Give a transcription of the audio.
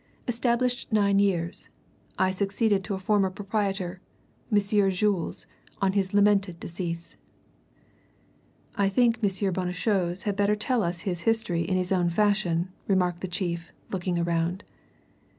Established nine years I succeeded to a former proprietor, Monsieur Jules, on his lamented decease." "I think M. Bonnechose had better tell us his history in his own fashion," remarked the chief, looking around.